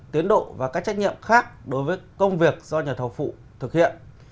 tiến độ và các trách nhiệm khác đối với công việc do nhà thầu phụ thực hiện